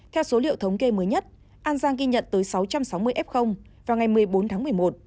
theo số liệu thống kê mới nhất an giang ghi nhận tới sáu trăm sáu mươi f vào ngày một mươi bốn tháng một mươi một